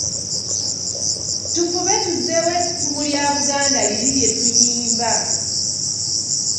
Tufube tuzzeewo ettutumu lya Buganda liri lye tuyimba.